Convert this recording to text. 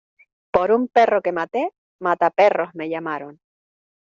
Por un perro que maté, mataperros me llamaron.